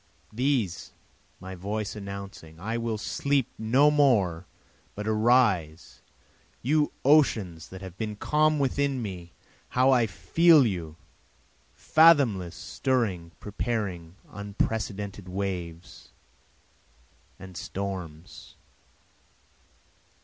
These, my voice announcing I will sleep no more but arise, You oceans that have been calm within me! how I feel you, fathomless, stirring, preparing unprecedented waves and storms.